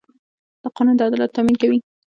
دا قانون د عدالت تامین کوي.